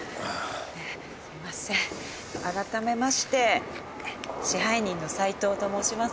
すみません改めまして支配人の斎藤と申します。